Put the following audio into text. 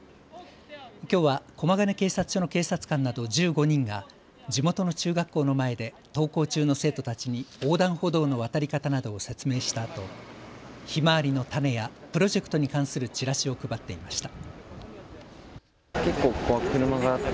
きょうは駒ヶ根警察署の警察官など１５人が地元の中学校の前で登校中の生徒たちに横断歩道の渡り方などを説明したあとひまわりの種やプロジェクトに関するチラシを配っていました。